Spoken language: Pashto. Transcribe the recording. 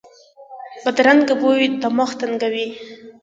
بدرنګه بوی دماغ تنګوي